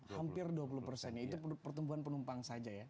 hampir dua puluh persen ya itu pertumbuhan penumpang saja ya